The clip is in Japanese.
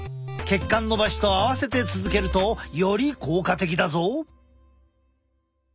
血管のばしと合わせて続けるとより効果的だぞ！